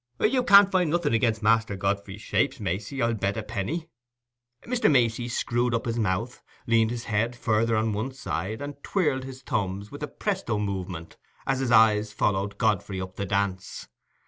You can find nothing against Master Godfrey's shapes, Macey, I'll bet a penny." Mr. Macey screwed up his mouth, leaned his head further on one side, and twirled his thumbs with a presto movement as his eyes followed Godfrey up the dance.